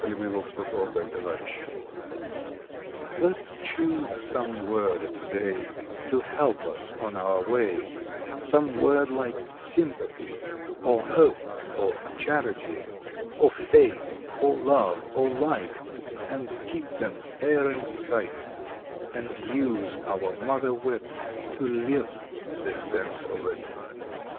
June Fifteenth THE DAILY WORD T ET S choose some word to day To help us on our way Some word like Sympathy, Or Hope, or Charity, Or Faith, or Love, or Light, And keep it e er in sight, And use our Mother wit To LIVE the sense of it.